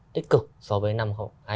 tích cực so với năm hai nghìn hai mươi hai